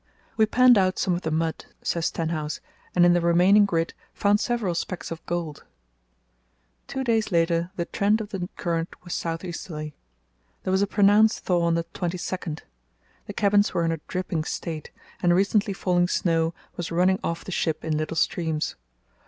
"We panned out some of the mud," says Stenhouse, "and in the remaining grit found several specks of gold." Two days later the trend of the current was south easterly. There was a pronounced thaw on the 22nd. The cabins were in a dripping state, and recently fallen snow was running off the ship in little streams.